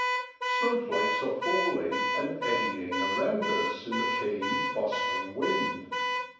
Snowflakes are falling and eddying around us in the keen, bustling wind.